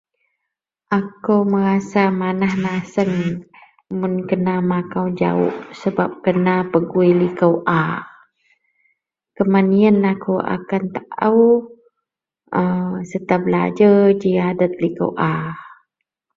Ako merasa manah naseng mun kena makau jawok sebab kena pegui liko a, keman iyen ako akan tao a serta belajar g adet liko a.